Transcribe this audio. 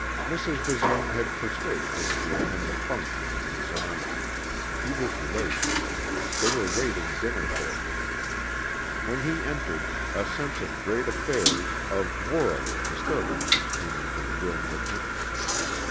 Mrs. Basine had persuaded him to attend a function in his honor. He was late. They were waiting dinner for him. When he entered, a sense of great affairs, of world disturbances came into the room with him.